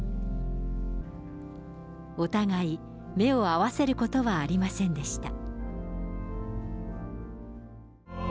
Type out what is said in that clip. お互い目を合わせることはありませんでした。